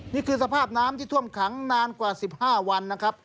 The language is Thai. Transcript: นี่คือสภาพน้ำที่ท่วมขังนานกว่า๑๕วันนะครับ